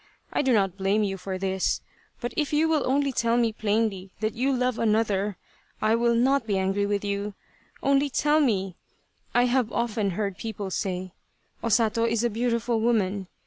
I do not blame you for this. But if you will only tell me plainly that you love another, I will not be angry with you, only tell 163 Tsubosaka me ! I have often heard people say, ' O Sato is a beautiful woman